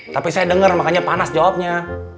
tapi saya dengar makanya panas jawabnya